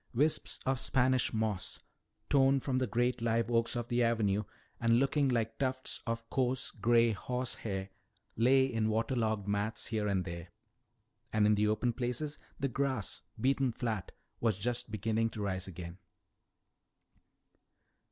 Wisps of Spanish moss, torn from the great live oaks of the avenue and looking like tufts of coarse gray horsehair, lay in water logged mats here and there. And in the open places, the grass, beaten flat, was just beginning to rise again.